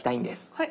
はい。